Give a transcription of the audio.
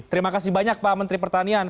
terima kasih banyak pak menteri pertanian